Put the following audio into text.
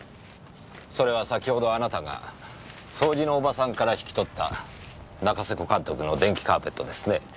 それは先ほどあなたが掃除のおばさんから引き取った仲瀬古監督の電気カーペットですね。